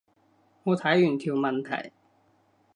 我睇完條問題